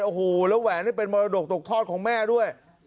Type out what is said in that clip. โอ้โหแล้วแหวนนี่เป็นมรดกตกทอดของแม่ด้วย